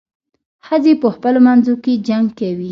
ښځې په خپلو منځو کې جنګ کوي.